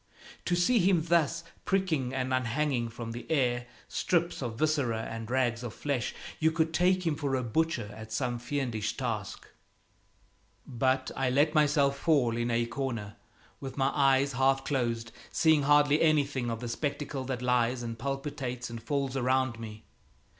To see him thus pricking and unhanging from the air strips of viscera and rags of flesh, you could take him for a butcher at some fiendish task. But I let myself fall in a corner with my eyes half closed, seeing hardly anything of the spectacle that lies and palpitates and falls around me.